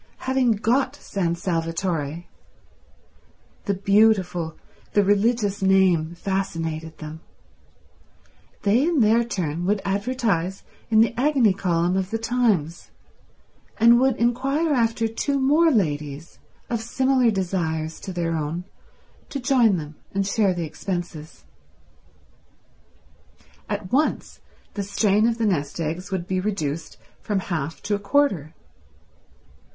Having got San Salvatore—the beautiful, the religious name, fascinated them—they in their turn would advertise in the Agony Column of The Times, and would inquire after two more ladies, of similar desires to their own, to join them and share the expenses. At once the strain of the nest eggs would be reduced from half to a quarter.